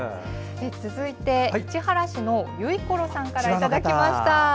続いて、市原市のゆいころさんからいただきました。